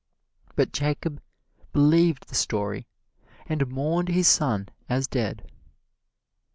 But Jacob believed the story and mourned his son as dead.